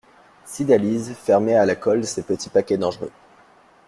Cydalise fermait à la colle ces petits paquets dangereux.